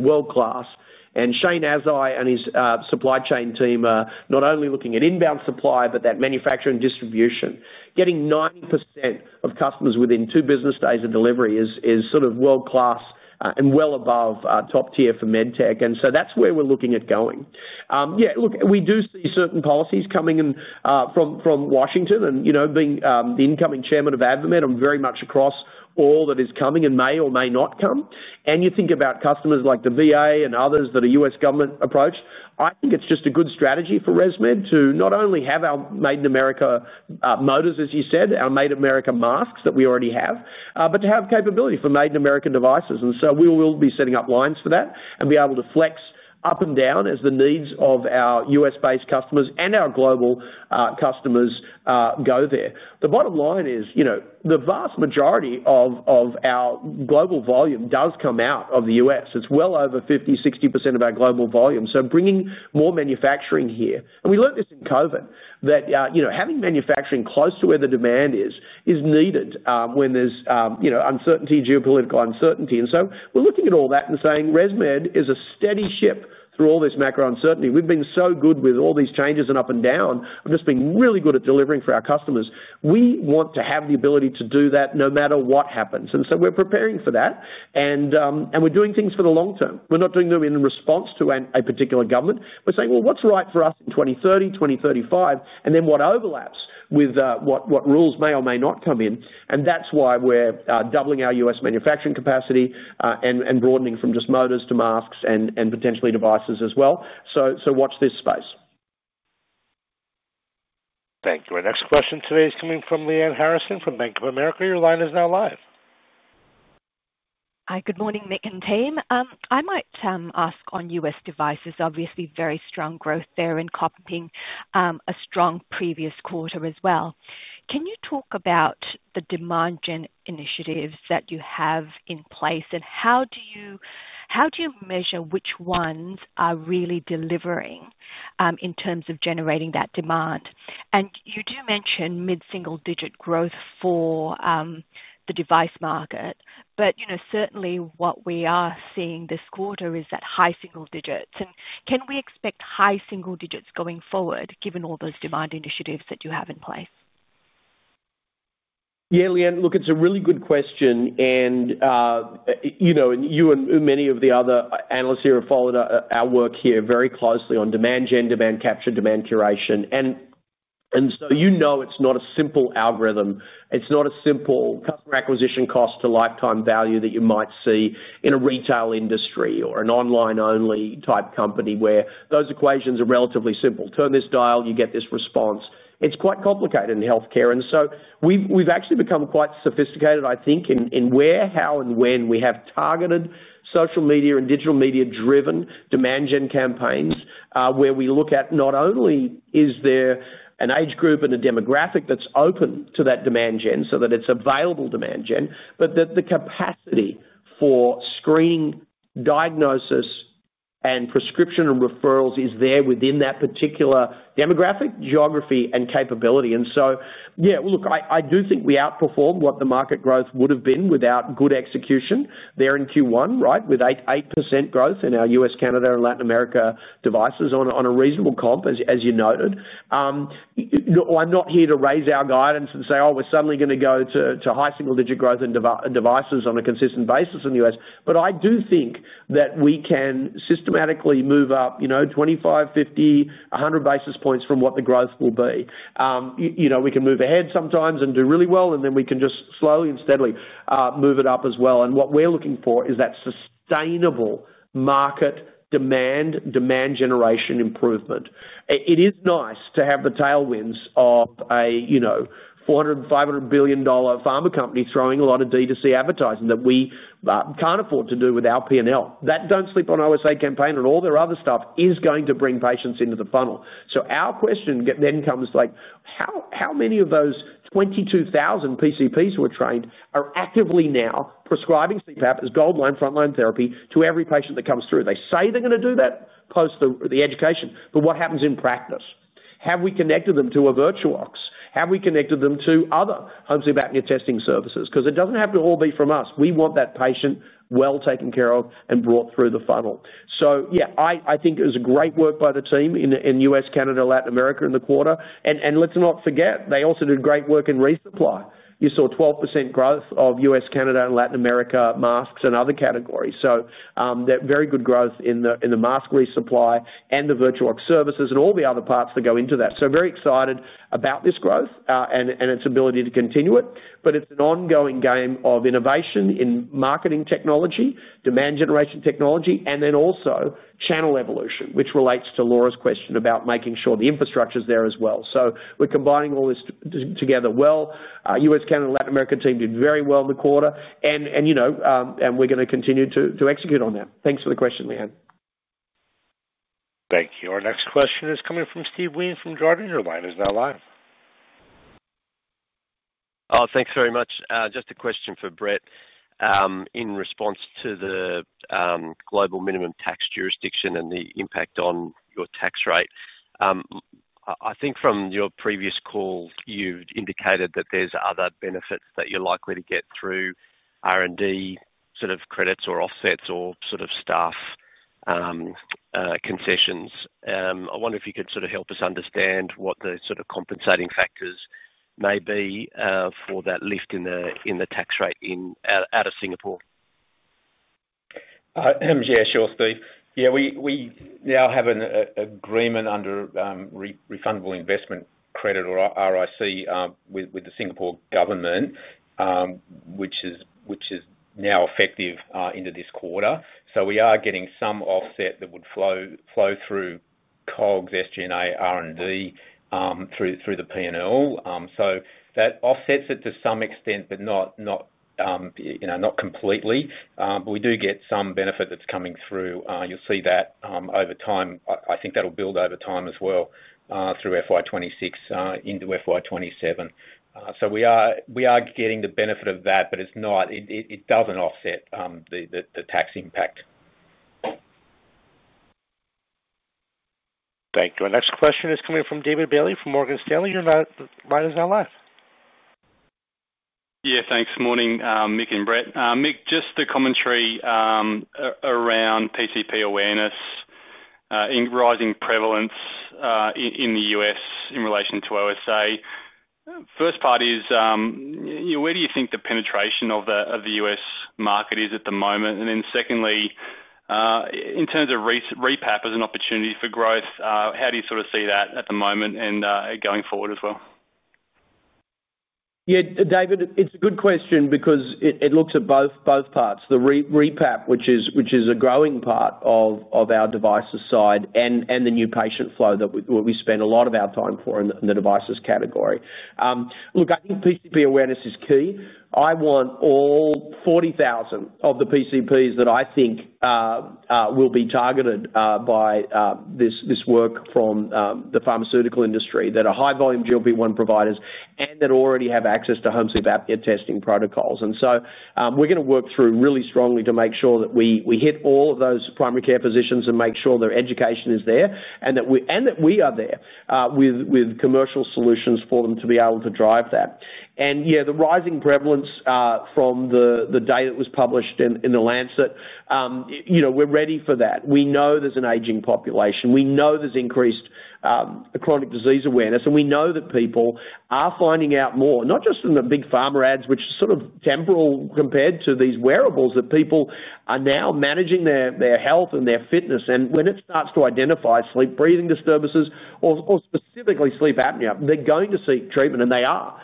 S3: world-class. Shane Azzi and his supply chain team are not only looking at inbound supply, but at manufacturing distribution. Getting 90% of customers within two business days of delivery is sort of world-class and well above top-tier for MedTech. That is where we're looking at going. Yeah, look, we do see certain policies coming from Washington and being the incoming chairman of AdvaMed. I'm very much across all that is coming and may or may not come. You think about customers like the VA and others that are U.S. government approached, I think it's just a good strategy for ResMed to not only have our Made in America motors, as you said, our Made in America masks that we already have, but to have capability for Made in America devices. We will be setting up lines for that and be able to flex up and down as the needs of our U.S.-based customers and our global customers go there. The bottom line is the vast majority of our global volume does come out of the U.S. It's well over 50%, 60% of our global volume. Bringing more manufacturing here. We learned this in COVID, that having manufacturing close to where the demand is is needed when there's uncertainty, geopolitical uncertainty. We're looking at all that and saying ResMed is a steady ship through all this macro uncertainty. We've been so good with all these changes and up and down. We've just been really good at delivering for our customers. We want to have the ability to do that no matter what happens. We're preparing for that. We're doing things for the long term. We're not doing them in response to a particular government. We're saying, "What's right for us in 2030, 2035, and then what overlaps with what rules may or may not come in?" That's why we're doubling our U.S. manufacturing capacity and broadening from just motors to masks and potentially devices as well. Watch this space.
S1: Thank you. Our next question today is coming from Lyanne Harrison from Bank of America. Your line is now live.
S8: Hi, good morning, Mick and team. I might ask on U.S. devices, obviously very strong growth there in copying, a strong previous quarter as well. Can you talk about the demand gen initiatives that you have in place and how do you measure which ones are really delivering in terms of generating that demand? You do mention mid-single-digit growth for the device market, but certainly what we are seeing this quarter is that high single digits. Can we expect high single digits going forward, given all those demand initiatives that you have in place?
S3: Yeah, Lyanne, look, it's a really good question. You and many of the other analysts here have followed our work here very closely on demand gen, demand capture, demand curation. You know it's not a simple algorithm. It's not a simple customer acquisition cost to lifetime value that you might see in a retail industry or an online-only type company where those equations are relatively simple. Turn this dial, you get this response. It's quite complicated in healthcare. We have actually become quite sophisticated, I think, in where, how, and when we have targeted social media and digital media-driven demand gen campaigns where we look at not only is there an age group and a demographic that's open to that demand gen so that it's available demand gen, but that the capacity for screening, diagnosis, and prescription and referrals is there within that particular demographic, geography, and capability. Yeah, look, I do think we outperformed what the market growth would have been without good execution there in Q1, with 8% growth in our U.S., Canada, and Latin America devices on a reasonable comp, as you noted. I'm not here to raise our guidance and say, "Oh, we're suddenly going to go to high single-digit growth in devices on a consistent basis in the U.S." I do think that we can systematically move up 25 basis points, 50 basis points, 100 basis points from what the growth will be. We can move ahead sometimes and do really well, and then we can just slowly and steadily move it up as well. What we're looking for is that sustainable market demand, demand generation improvement. It is nice to have the tailwinds of a $400 billion, $500 billion pharma company throwing a lot of D2C advertising that we can't afford to do with our P&L. That Don't Sleep on OSA campaign and all their other stuff is going to bring patients into the funnel. Our question then comes like, how many of those 22,000 PCPs who are trained are actively now prescribing CPAP as gold line frontline therapy to every patient that comes through? They say they're going to do that post the education, but what happens in practice? Have we connected them to a VirtuOx? Have we connected them to other home sleep apnea testing services? It doesn't have to all be from us. We want that patient well taken care of and brought through the funnel. Yeah, I think it was great work by the team in the U.S., Canada, and Latin America in the quarter. Let's not forget, they also did great work in resupply. You saw 12% growth of U.S., Canada, and Latin America masks and other categories. Very good growth in the mask resupply and the VirtuOx services and all the other parts that go into that. Very excited about this growth and its ability to continue. It's an ongoing game of innovation in marketing technology, demand generation technology, and also channel evolution, which relates to Laura's question about making sure the infrastructure is there as well. We're combining all this together well. U.S., Canada, and Latin America team did very well in the quarter. We're going to continue to execute on that. Thanks for the question, Lyanne.
S1: Thank you. Our next question is coming from Steve Wheen from Jarden. Your line is now live.
S9: Thanks very much. Just a question for Brett. In response to the global minimum tax jurisdiction and the impact on your tax rate. I think from your previous call, you've indicated that there's other benefits that you're likely to get through R&D credits or offsets or staff concessions. I wonder if you could help us understand what the compensating factors may be for that lift in the tax rate out of Singapore.
S4: Yeah, sure, Steve. We now have an agreement under refundable investment credit or RIC with the Singapore government, which is now effective into this quarter. We are getting some offset that would flow through COGS, SG&A, R&D through the P&L. That offsets it to some extent, but not completely. We do get some benefit that's coming through. You'll see that over time. I think that'll build over time as well through FY2026 into FY2027. We are getting the benefit of that, but it doesn't offset the tax impact.
S1: Thank you. Our next question is coming from David Bailey from Morgan Stanley. Your line is now live.
S10: Thanks. Morning, Mick and Brett. Mick, just the commentary around PCP awareness in rising prevalence in the U.S.in relation to OSA. First part is, where do you think the penetration of the U.S. market is at the moment? Secondly, in terms of repap as an opportunity for growth, how do you see that at the moment and going forward as well?
S3: Yeah, David, it's a good question because it looks at both parts. The repap, which is a growing part of our devices side and the new patient flow that we spend a lot of our time for in the devices category. Look, I think PCP awareness is key. I want all 40,000 of the PCPs that I think will be targeted by this work from the pharmaceutical industry that are high-volume GLP-1 providers and that already have access to home sleep apnea testing protocols. We're going to work through really strongly to make sure that we hit all of those primary care physicians and make sure their education is there and that we are there with commercial solutions for them to be able to drive that. The rising prevalence from the data that was published in The Lancet. We're ready for that. We know there's an aging population. We know there's increased chronic disease awareness. We know that people are finding out more, not just in the big pharma ads, which is sort of temporal compared to these wearables, that people are now managing their health and their fitness. When it starts to identify sleep breathing disturbances or specifically sleep apnea, they're going to seek treatment, and they are.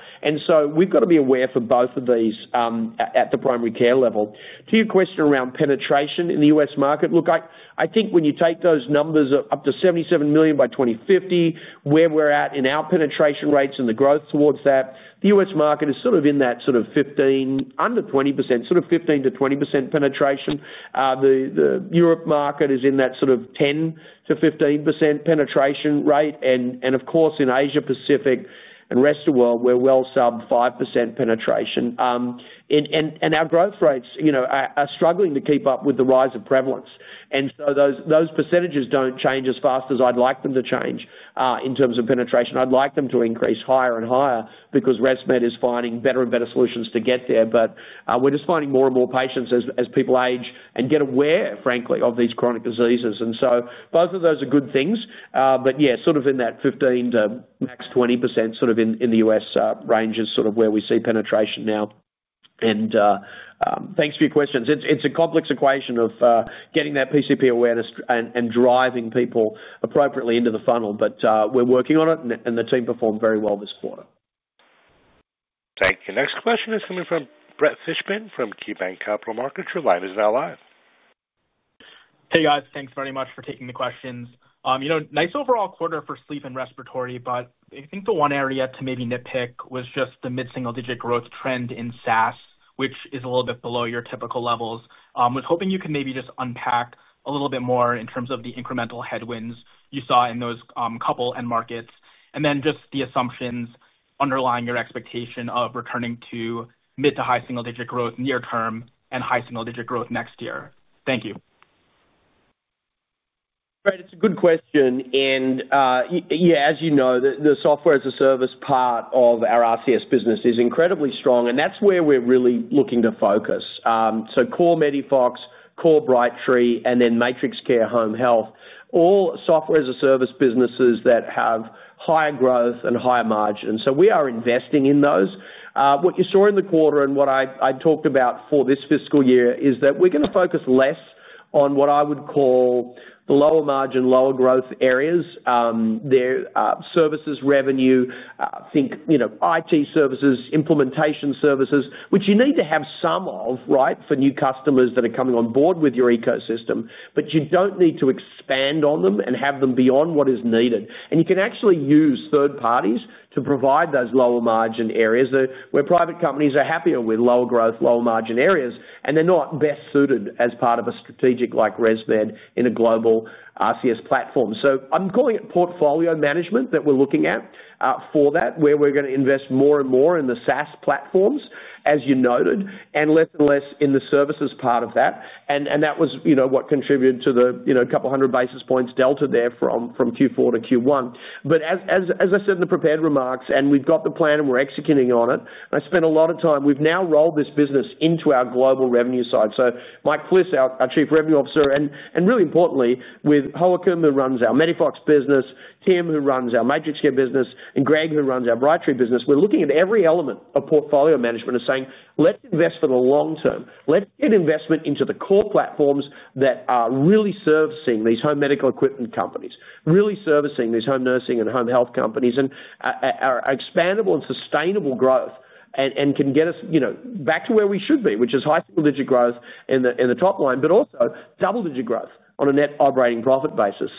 S3: We've got to be aware for both of these at the primary care level. To your question around penetration in the U.S. market, look, I think when you take those numbers up to 77 million by 2050, where we're at in our penetration rates and the growth towards that, the U.S. market is sort of in that sort of 15%, under 20%, sort of 15%-20% penetration. The Europe market is in that sort of 10%-15% penetration rate. In Asia-Pacific and rest of the world, we're well sub 5% penetration. Our growth rates are struggling to keep up with the rise of prevalence. Those percentages don't change as fast as I'd like them to change in terms of penetration. I'd like them to increase higher and higher because ResMed is finding better and better solutions to get there. We're just finding more and more patients as people age and get aware, frankly, of these chronic diseases. Both of those are good things. Sort of in that 15% to max 20% sort of in the U.S. range is sort of where we see penetration now. Thanks for your questions. It's a complex equation of getting that PCP awareness and driving people appropriately into the funnel. We're working on it, and the team performed very well this quarter.
S1: Thank you. Next question is coming from Brett Fishbin from KeyBanc Capital Markets. Your line is now live.
S11: Hey, guys. Thanks very much for taking the questions. Nice overall quarter for sleep and respiratory, but I think the one area to maybe nitpick was just the mid-single-digit growth trend in SaaS, which is a little bit below your typical levels. I was hoping you could maybe just unpack a little bit more in terms of the incremental headwinds you saw in those couple end markets. Then just the assumptions underlying your expectation of returning to mid to high single-digit growth near-term and high single-digit growth next year. Thank you.
S3: Great. It's a good question. As you know, the software as a service part of our RCS business is incredibly strong, and that's where we're really looking to focus. Core MEDIFOX, core Brightree, and then MatrixCare Home Health, all software as a service businesses that have higher growth and higher margins. We are investing in those. What you saw in the quarter and what I talked about for this fiscal year is that we're going to focus less on what I would call the lower margin, lower growth areas. Their services revenue, I think IT services, implementation services, which you need to have some of, right, for new customers that are coming on board with your ecosystem, but you don't need to expand on them and have them beyond what is needed. You can actually use third parties to provide those lower margin areas where private companies are happier with lower growth, lower margin areas, and they're not best suited as part of a strategic like ResMed in a global RCS platform. I'm calling it portfolio management that we're looking at for that, where we're going to invest more and more in the SaaS platforms, as you noted, and less and less in the services part of that. That was what contributed to the couple hundred basis points delta there from Q4 to Q1. As I said in the prepared remarks, and we've got the plan and we're executing on it, I spent a lot of time. We've now rolled this business into our global revenue side. Mike Fliss, our Chief Revenue Officer, and really importantly, with Håkon, who runs our MEDIFOX business, Tim, who runs our MatrixCare business, and Gregg, who runs our Brightree business, we're looking at every element of portfolio management and saying, "Let's invest for the long term." Let's get investment into the core platforms that are really servicing these home medical equipment companies, really servicing these home nursing and home health companies, and are expandable and sustainable growth and can get us back to where we should be, which is high single-digit growth in the top line, but also double-digit growth on a net operating profit basis.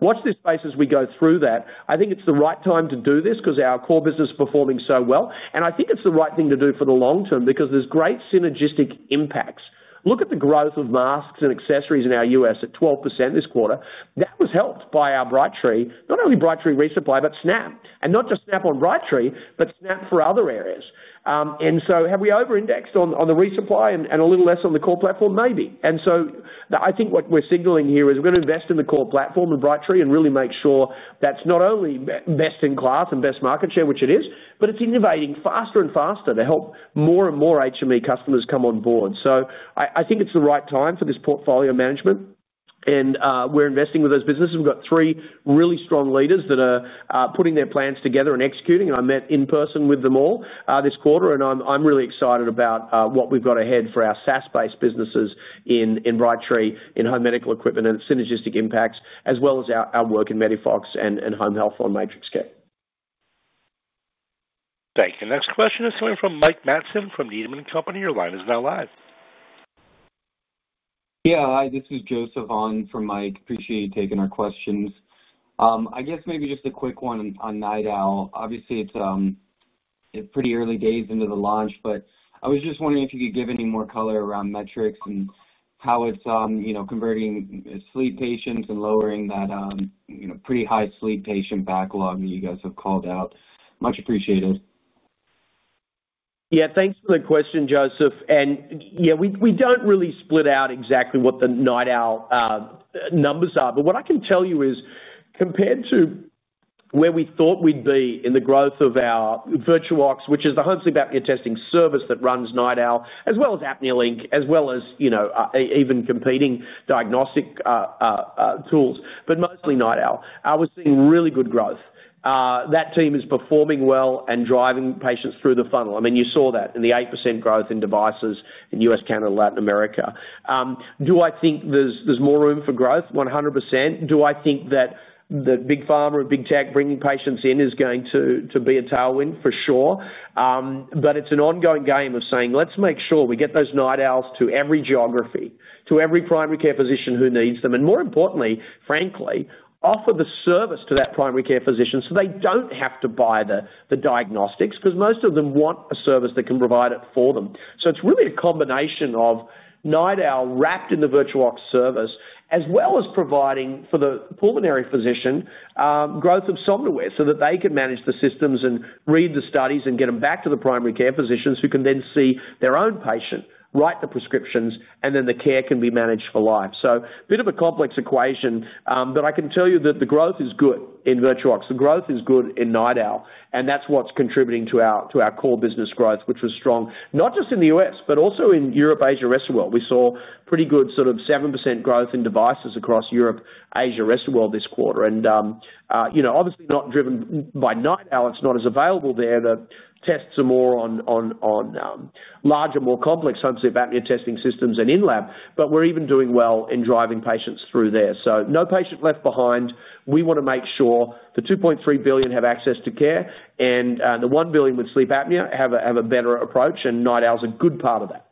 S3: Watch this basis as we go through that. I think it's the right time to do this because our core business is performing so well. I think it's the right thing to do for the long term because there's great synergistic impacts. Look at the growth of masks and accessories in our U.S. at 12% this quarter. That was helped by our Brightree, not only Brightree resupply, but SNAP. Not just SNAP on Brightree, but SNAP for other areas. Have we over-indexed on the resupply and a little less on the core platform? Maybe. What we're signaling here is we're going to invest in the core platform and Brightree and really make sure that's not only best in class and best market share, which it is, but it's innovating faster and faster to help more and more HME customers come on board. I think it's the right time for this portfolio management. We're investing with those businesses. We've got three really strong leaders that are putting their plans together and executing. I met in person with them all this quarter, and I'm really excited about what we've got ahead for our SaaS-based businesses in Brightree, in home medical equipment and synergistic impacts, as well as our work in MEDIFOX and Home Health on MatrixCare.
S1: Thank you. Next question is coming from Mike Matson from Needham & Company. Your line is now live. Yeah, hi.
S12: This is Joseph On from Mike. Appreciate you taking our questions. I guess maybe just a quick one on NightOwl. Obviously, it's pretty early days into the launch, but I was just wondering if you could give any more color around metrics and how it's converting sleep patients and lowering that pretty high sleep patient backlog that you guys have called out. Much appreciated.
S3: Yeah, thanks for the question, Joseph. We don't really split out exactly what the NightOwl numbers are. What I can tell you is compared to where we thought we'd be in the growth of our VirtuOx, which is the home sleep apnea testing service that runs NightOwl, as well as ApneaLink, as well as even competing diagnostic. Tools, but mostly NightOwl, we're seeing really good growth. That team is performing well and driving patients through the funnel. You saw that in the 8% growth in devices in U.S., Canada, Latin America. Do I think there's more room for growth? 100%. Do I think that the Big Pharma or big tech bringing patients in is going to be a tailwind for sure? It's an ongoing game of saying, "Let's make sure we get those Nidals to every geography, to every primary care physician who needs them, and more importantly, frankly, offer the service to that primary care physician so they don't have to buy the diagnostics because most of them want a service that can provide it for them." It's really a combination of NightOwl wrapped in the VirtuOx service as well as providing for the pulmonary physician. Growth of somewhere so that they can manage the systems and read the studies and get them back to the primary care physicians who can then see their own patient, write the prescriptions, and then the care can be managed for life. A bit of a complex equation, but I can tell you that the growth is good in VirtuOx. The growth is good in NightOwl. That's what's contributing to our core business growth, which was strong, not just in the U.S., but also in Europe, Asia, rest of the world. We saw pretty good sort of 7% growth in devices across Europe, Asia, rest of the world this quarter. Obviously not driven by NightOwl. It's not as available there. The tests are more on larger, more complex home sleep apnea testing systems and in-lab, but we're even doing well in driving patients through there. No patient left behind. We want to make sure the 2.3 billion have access to care and the 1 billion with sleep apnea have a better approach, and NightOwl is a good part of that.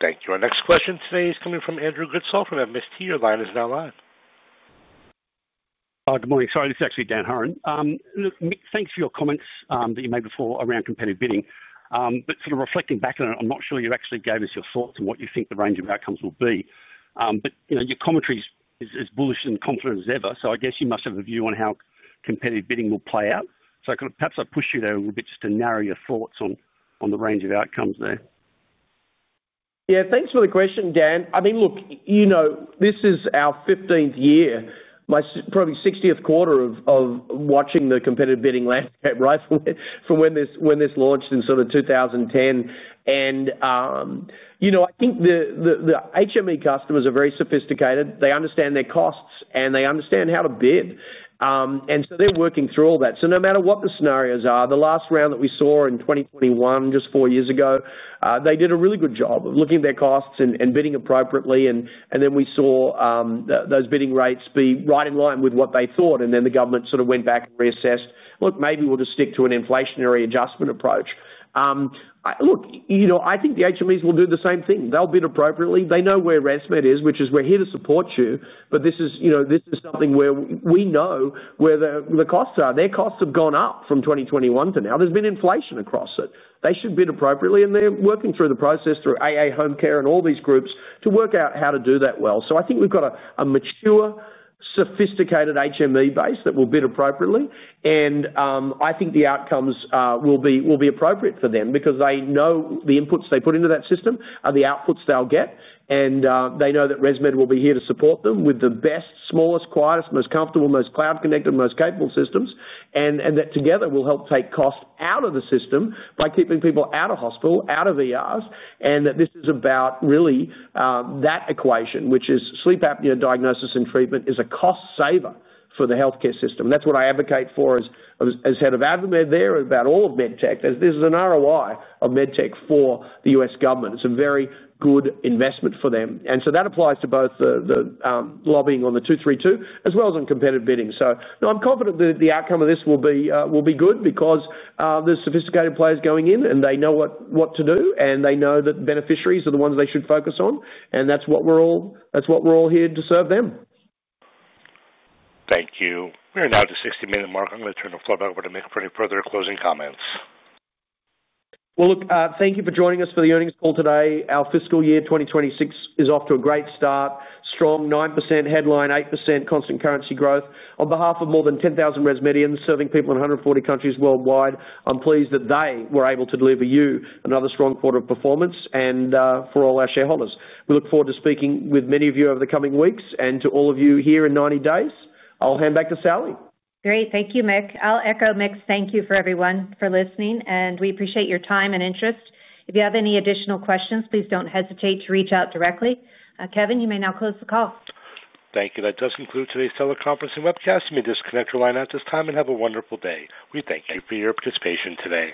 S1: Thank you. Our next question today is coming from [Andrew Gritzolf] from MST. Your line is now live.
S13: Good morning. Sorry, this is actually Dan Hurren. Mick, thanks for your comments that you made before around competitive bidding. Reflecting back on it, I'm not sure you actually gave us your thoughts on what you think the range of outcomes will be. Your commentary is as bullish and confident as ever. I guess you must have a view on how competitive bidding will play out. Perhaps I push you there a little bit just to narrow your thoughts on the range of outcomes there.
S3: Yeah, thanks for the question, Dan. I mean, look. This is our 15th year, probably 60th quarter of watching the competitive bidding landscape from when this launched in 2010. I think the HME customers are very sophisticated. They understand their costs, and they understand how to bid. They're working through all that. No matter what the scenarios are, the last round that we saw in 2021, just four years ago, they did a really good job of looking at their costs and bidding appropriately. We saw those bidding rates be right in line with what they thought. The government went back and reassessed, "Look, maybe we'll just stick to an inflationary adjustment approach." I think the HMEs will do the same thing. They'll bid appropriately. They know where ResMed is, which is, "We're here to support you." This is something where we know where the costs are. Their costs have gone up from 2021 to now. There's been inflation across it. They should bid appropriately. They're working through the process through AAHomeCare and all these groups to work out how to do that well. I think we've got a mature, sophisticated HME base that will bid appropriately. I think the outcomes will be appropriate for them because they know the inputs they put into that system are the outputs they'll get. They know that ResMed will be here to support them with the best, smallest, quietest, most comfortable, most cloud-connected, most capable systems, and that together will help take costs out of the system by keeping people out of hospital, out of ERs. This is about really that equation, which is sleep apnea diagnosis and treatment is a cost saver for the healthcare system. That's what I advocate for as head of AdvaMed there and about all of MedTech, as this is an ROI of MedTech for the U.S. government. It's a very good investment for them. That applies to both the lobbying on the 232 as well as on competitive bidding. I'm confident that the outcome of this will be good because there's sophisticated players going in, and they know what to do, and they know that beneficiaries are the ones they should focus on. That's what we're all here to serve them.
S1: Thank you. We are now at the 60-minute mark. I'm going to turn the floor back over to Mick for any further closing comments.
S3: Thank you for joining us for the earnings call today. Our fiscal year 2026 is off to a great start. Strong 9% headline, 8% constant currency growth. On behalf of more than 10,000 ResMedians serving people in 140 countries worldwide, I'm pleased that they were able to deliver you another strong quarter of performance and for all our shareholders. We look forward to speaking with many of you over the coming weeks and to all of you here in 90 days. I'll hand back to Salli.
S2: Great. Thank you, Mick. I'll echo Mick's thank you for everyone for listening, and we appreciate your time and interest. If you have any additional questions, please don't hesitate to reach out directly. Kevin, you may now close the call.
S1: Thank you. That does conclude today's teleconference and webcast. You may disconnect your line at this time and have a wonderful day. We thank you for your participation today.